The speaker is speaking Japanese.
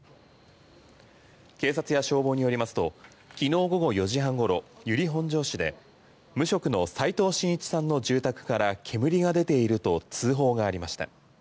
警察や消防によりますと昨日午後４時半ごろ由利本荘市で無職の齋藤真一さんの住宅から煙が出ていると通報がありました。